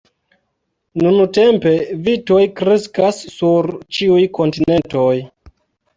Nuntempe vitoj kreskas sur ĉiuj kontinentoj.